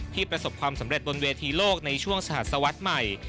ประสบความสำเร็จบนเวทีโลกในช่วงสหัสวรรษใหม่